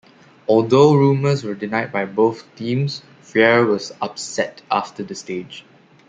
Although rumours were denied by both teams, Freire was upset after the stage.